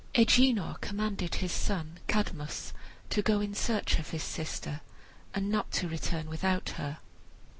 Agenor commanded his son Cadmus to go in search of his sister, and not to return without her.